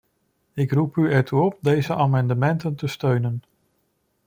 Ik roep u ertoe op deze amendementen te steunen.